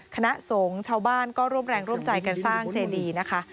คณะสงฆ์ชาวบ้านก็ร่วมแรงร่วมใจกันสร้างเจดีนะคะ